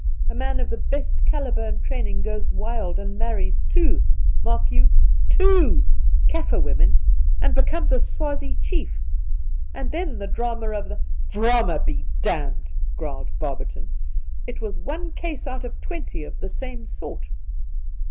A man of the best calibre and training goes wild and marries two — mark you, two I — Kaffir women, and becomes a Swazie chief,, and then the drama of the '' Drama be damned 1' growled Barberton, ' It was one case out of twenty of ther.same sort.'